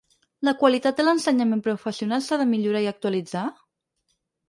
La qualitat de l’ensenyament professional s’ha de millorar i actualitzar?